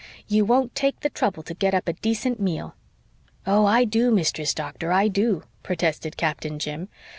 "You won't take the trouble to get up a decent meal." "Oh, I do, Mistress Doctor, I do," protested Captain Jim.